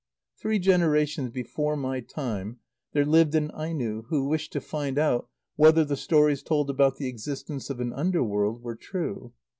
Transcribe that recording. _ Three generations before my time there lived an Aino who wished to find out whether the stories told about the existence of an under world were true.